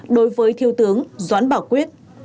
đối với thiếu tướng doãn bảo quyết